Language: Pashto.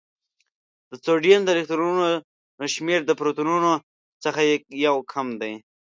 د سوډیم د الکترونونو شمېر د پروتونونو څخه یو کم دی.